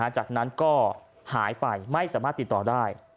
จากนั้นก็หายไปไม่สามารถติดต่อได้